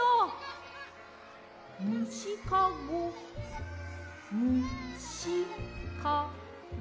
むしかごむしかご。